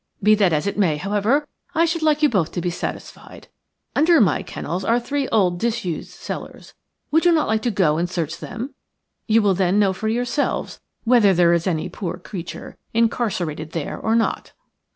Be that as it may, however, I should like you both to be satisfied. Under my kennels are three old disused cellars. Would you not like to go and search them? You will then know for yourselves whether there is any poor creature incarcerated there or not."